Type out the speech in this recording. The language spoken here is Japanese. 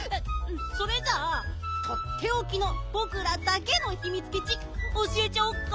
それじゃあとっておきのぼくらだけのひみつきちおしえちゃおっか